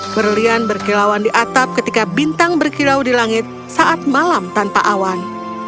berlian berkilauan di atap ketika bintang berkilau di langit saat malam tanpa awan